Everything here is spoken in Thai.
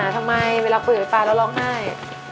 ทำไมเวลาคุยกับปลาแล้วร้องไห้